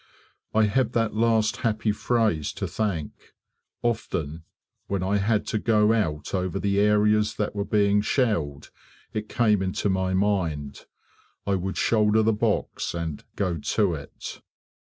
I have that last happy phrase to thank. Often when I had to go out over the areas that were being shelled, it came into my mind. I would shoulder the box, and "go to it".